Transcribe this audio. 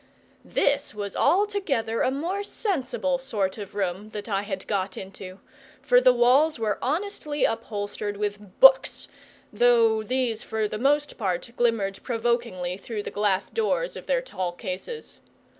This was altogether a more sensible sort of room that I had got into; for the walls were honestly upholstered with books, though these for the most part glimmered provokingly through the glass doors of their tall cases.